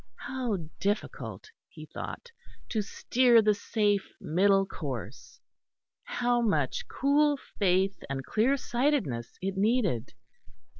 How difficult, he thought, to steer the safe middle course! How much cool faith and clearsightedness it needed!